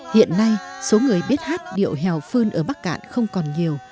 hiện nay số người biết hát điệu hèo phương ở bắc cạn không còn nhiều